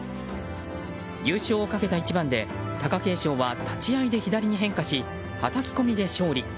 優勝をかけた一番で貴景勝は立ち合いで左に変化しはたき込みで勝利。